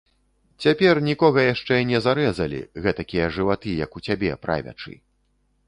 Цяпер нікога яшчэ не зарэзалі, гэтакія жываты, як у цябе, правячы.